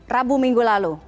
rabu minggu lalu